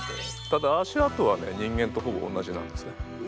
ただ足跡はね人間とほぼおんなじなんですね。